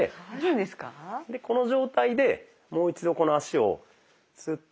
でこの状態でもう一度この足をスッて。